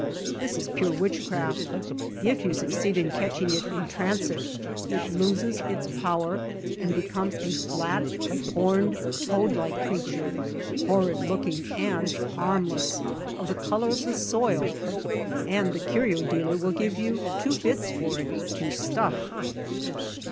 This is pure witch craft. If you succeed in catching it in transit, it loses its power and becomes a flat, horned, toad like creature, horrid look ing and harmless, of the color of the soil ; and the curio dealer will give you two bits for it, to stuff.